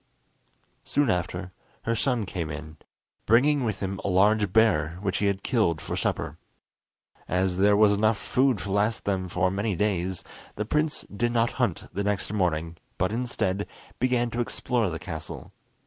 Soon after her son came in, bringing with him a large bear, which he had killed for supper. As there was enough food to last them for many days, the prince did not hunt the next morning, but, instead, began to explore the castle.